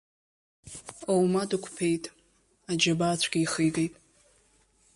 Оума дықәԥеит, аџьабаа цәгьа ихигеит.